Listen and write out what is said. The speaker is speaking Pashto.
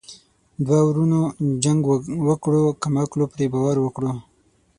دوه ورونو جنګ وکړو کم عقلو پري باور وکړو.